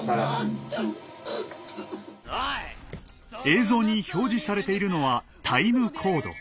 映像に表示されているのはタイムコード。